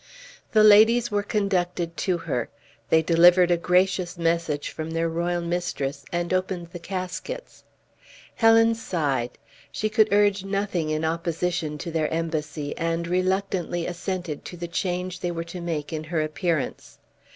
The laddies were conducted to her. They delivered a gracious message from their royal mistress, and opened the caskets. Helen sighed; she could urge nothing in opposition to their embassy, and reluctantly assented to the change they were to make in her appearance.